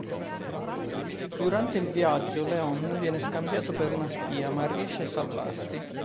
Durante il viaggio Leon viene scambiato per una spia, ma riesce a salvarsi.